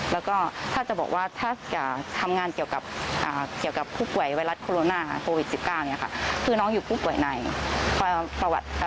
แล้วก็ถ้าจะบอกว่าถ้าจะทำงานเกี่ยวกับผู้ป่วยไวรัสโคโรนา